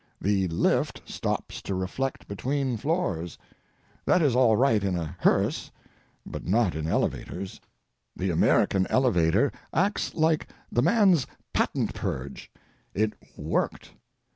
The lift stops to reflect between floors. That is all right in a hearse, but not in elevators. The American elevator acts like the man's patent purge—it worked.